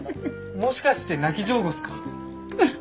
もしかして泣き上戸っすか？